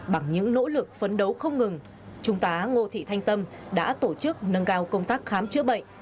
bằng những nỗ lực phấn đấu không ngừng trung tá ngô thị thanh tâm đã tổ chức nâng cao công tác khám chữa bệnh